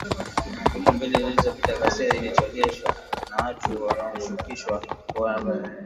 Wiki mbili zilizopita, ghasia zilizochochewa na watu wanaoshukiwa kuwa wafuasi wa chama tawala kwenye mkutano wa mabadiliko ya wananchi.